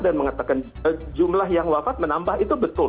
dan mengatakan jumlah yang wafat menambah itu betul